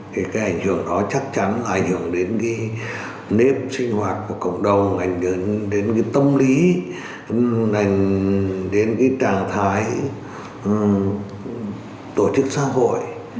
thì cái ảnh hưởng đó chắc chắn ảnh hưởng đến cái nếp sinh hoạt của cộng đồng ảnh hưởng đến cái tâm lý đến cái trạng thái tổ chức xã hội